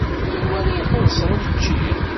Anwa ara ixellṣen učči?